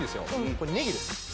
これネギです